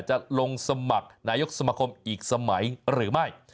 จะลงสมัครนายกสมคมอีกสมัยหรือไม่